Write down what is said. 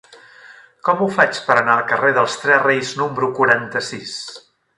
Com ho faig per anar al carrer dels Tres Reis número quaranta-sis?